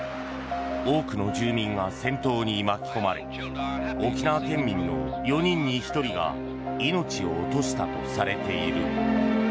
多くの住民が戦闘に巻き込まれ沖縄県民の４人に１人が命を落としたとされている。